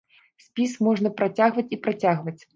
Спіс можна працягваць і працягваць.